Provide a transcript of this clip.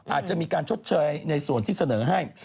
อาจจะมีการชดเชยในส่วนที่เสนอให้